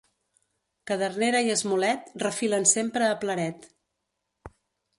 Cadernera i esmolet refilen sempre a pleret.